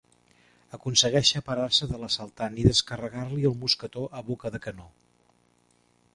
Aconsegueix separar-se de l'assaltant i descarregar-li el mosquetó a boca de canó.